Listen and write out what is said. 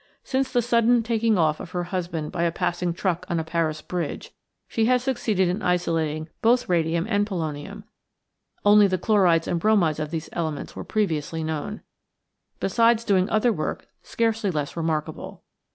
Since the sudden taking off of her husband by a passing truck on a Paris bridge, she has succeeded in isolating both radium and polonium only the chlorides and bromides of these elements were previously known besides doing other work scarcely less remarkable.